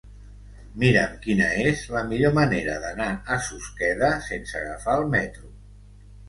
Mira'm quina és la millor manera d'anar a Susqueda sense agafar el metro.